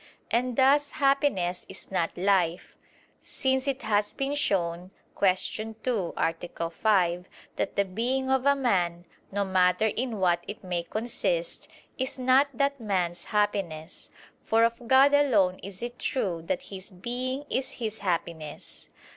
And thus happiness is not life: since it has been shown (Q. 2, A. 5) that the being of a man, no matter in what it may consist, is not that man's happiness; for of God alone is it true that His Being is His Happiness.